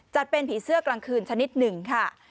เป็นผีเสื้อกลางคืนชนิดหนึ่งค่ะ